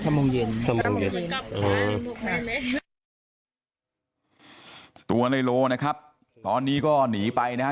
สามโมงเย็นสามโมงเย็นอ๋อตัวในโรงนะครับตอนนี้ก็หนีไปนะฮะ